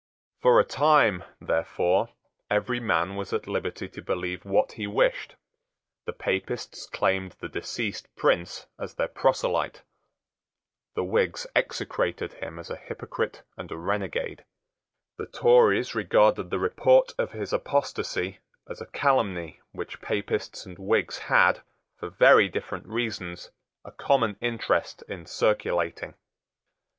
For a time, therefore, every man was at liberty to believe what he wished. The Papists claimed the deceased prince as their proselyte. The Whigs execrated him as a hypocrite and a renegade. The Tories regarded the report of his apostasy as a calumny which Papists and Whigs had, for very different reasons, a common interest in circulating.